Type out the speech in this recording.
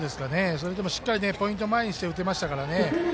それでもしっかりポイント前にして打てましたから。